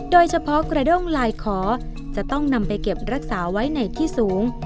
โดยเฉพาะกระด้งลายขอจะต้องนำไปเก็บรักษาไว้ในที่สูง